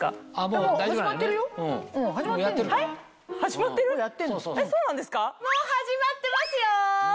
もう始まってますよ！